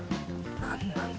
なんなんだ？